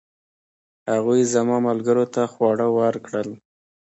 هغوی زما ملګرو ته خواړه ورکړل.